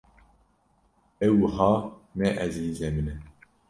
Ew wiha ne ezîzê min e.